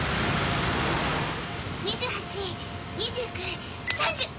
２８・２９・３０！